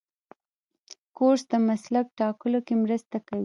کورس د مسلک ټاکلو کې مرسته کوي.